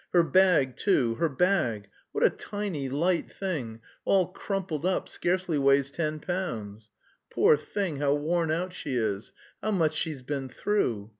Her bag, too, her bag what a tiny, light thing, all crumpled up, scarcely weighs ten pounds! Poor thing, how worn out she is, how much she's been through!